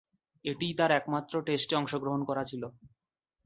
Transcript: এটিই তার একমাত্র টেস্টে অংশগ্রহণ করা ছিল।